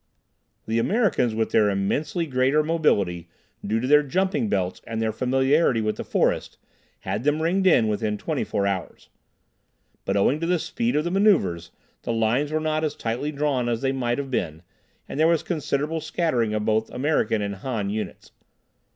The Americans with their immensely greater mobility, due to their jumping belts and their familiarity with the forest, had them ringed in within twenty four hours. But owing to the speed of the maneuvers, the lines were not as tightly drawn as they might have been, and there was considerable scattering of both American and Han units.